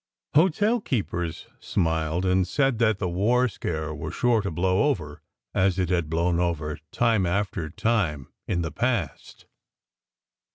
Hotel keepers smiled and said that the war scare was sure to blow over as it had blown over time after time in the past.